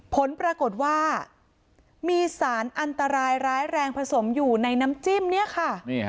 ผลปรากฏว่ามีสารอันตรายร้ายแรงผสมอยู่ในน้ำจิ้มเนี่ยค่ะ